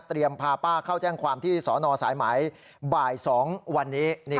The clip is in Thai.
พาป้าเข้าแจ้งความที่สอนอสายไหมบ่าย๒วันนี้